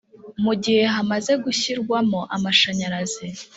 mugihugu hamaze gushyirwamo amashanyarazi